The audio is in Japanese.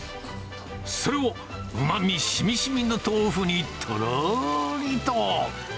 それを、うまみしみしみの豆腐にとろーりと。